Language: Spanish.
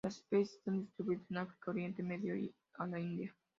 Las especies están distribuidas en África, Oriente Medio a la India.